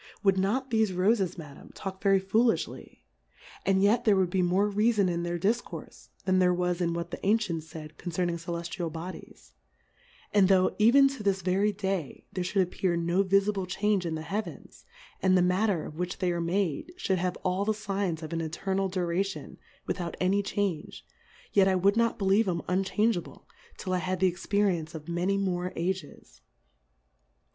Would not thefe Roles Madam, talk very foolifiily ? And yet there Plurality ^WORLDS. i6i there would be more reafon in their Difcourfe, than there was in what the Ancients faid concerning Celeftial Bo dies ; and though even to this very Day tliere ftould appear no viiible Change in the Heavens, and the Matter, of which they are made, fl^.ould have all the Signs of an Eternal Duration, with out any Change ; yet I would not be lieve 'em unchangeable, till I had the .Experience of many more Ages.